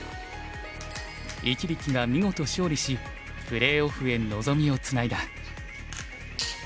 一力が見事勝利しプレーオフへ望みをつないだ。